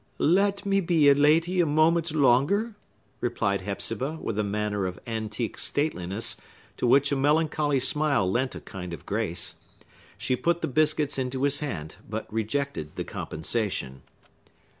"Let me be a lady a moment longer," replied Hepzibah, with a manner of antique stateliness to which a melancholy smile lent a kind of grace. She put the biscuits into his hand, but rejected the compensation.